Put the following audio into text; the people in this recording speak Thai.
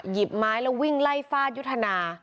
หยิบไม้แล้ววิ่งไล่ฟาดยุทธนา